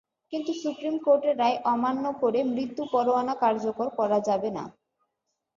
কিন্তু সুপ্রিম কোর্টের রায় অমান্য করে মৃত্যু পরোয়ানা কার্যকর করা যাবে না।